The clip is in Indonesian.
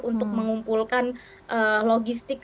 untuk mengumpulkan logistik